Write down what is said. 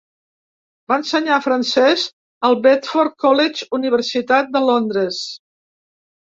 Va ensenyar francès al Bedford College, Universitat de Londres.